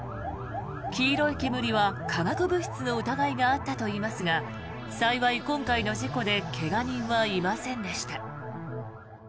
黄色い煙は化学物質の疑いがあったといいますが幸い今回の事故で怪我人はいませんでした。